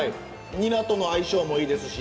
ニラとの相性もいいですし。